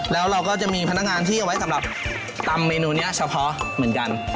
แล้วเราก็จะมีพนักงานที่เอาไว้สำหรับตำเมนูนี้เฉพาะเหมือนกัน